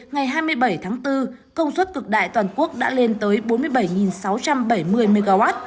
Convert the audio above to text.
ngày hai mươi bảy tháng bốn công suất cực đại toàn quốc đã lên tới bốn mươi bảy sáu trăm bảy mươi mw